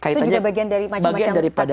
itu juga bagian dari macam macam takdir itu tadi ya